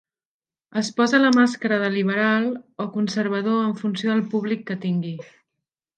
Es posa la màscara de "liberal" o "conservador" en funció del públic que tingui.